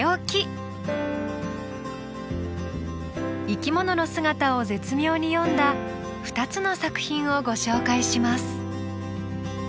「生き物」の姿を絶妙に詠んだ２つの作品をご紹介します。